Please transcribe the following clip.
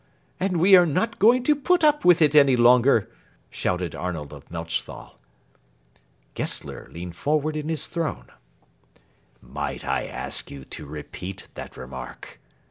And we are not going to put up with it any longer!" shouted Arnold of Melchthal. Gessler leaned forward in his throne. "Might I ask you to repeat that remark?"